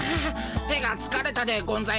手がつかれたでゴンざいます。